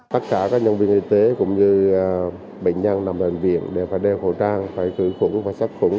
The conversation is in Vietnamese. tất cả các nhân viên y tế cũng như bệnh nhân nằm bệnh viện đều phải đeo khẩu trang phải khử khuẩn và sát khuẩn